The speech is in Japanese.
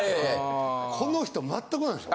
この人全くないでしょ。